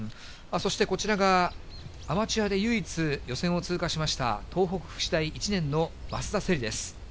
そして、こちらがアマチュアで唯一、予選を通過しました、東北福祉大１年の益田世梨です。